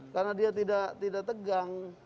karena dia tidak tegang